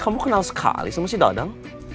kamu kenal sekali sama si dadang